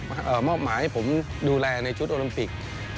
มอบหมายให้ผมดูแลในชุดโอลิมปิก